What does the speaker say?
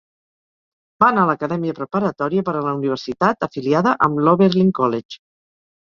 Va anar a l'acadèmica preparatòria per a la universitat afiliada amb l'Oberlin College.